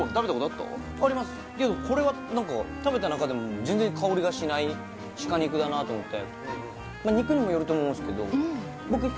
ありますけどこれは何か食べた中でも全然香りがしないシカ肉だなと思って肉にもよると思うんすけどうん！